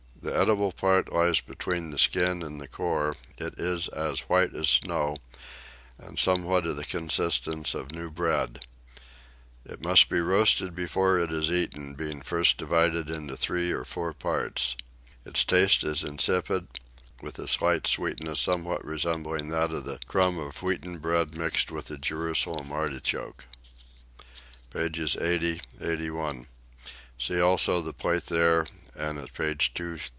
The eatable part lies between the skin and the core; it is as white as snow, and somewhat of the consistence of new bread: it must be roasted before it is eaten, being first divided into three or four parts. Its taste is insipid, with a slight sweetness somewhat resembling that of the crumb of wheaten bread mixed with a Jerusalem artichoke. Pages 80, 81. See also the plate there and at page 232.